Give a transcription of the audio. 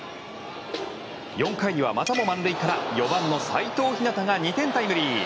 ４回には、またも満塁から４番の齊藤陽菜が２点タイムリー！